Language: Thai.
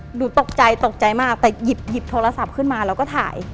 หนูตกใจตกใจมากแต่หยิบโทรศัพท์ขึ้นมาแล้วก็ถ่าย